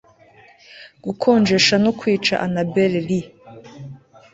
Gukonjesha no kwica Annabel Lee